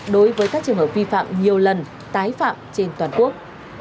đối với các trường hợp vi phạm nhiều lần tái phạm trên toàn quốc